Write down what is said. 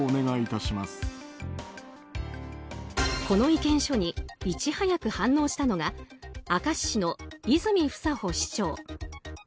この意見書にいち早く反応したのが明石市の泉房穂市長。